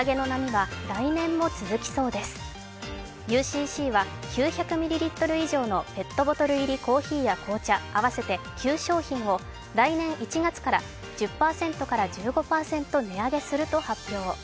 ＵＣＣは９００ミリリットル以上のペットボトル入りコーヒーや紅茶、９商品を来年１月から１０％から１５％値上げすると発表。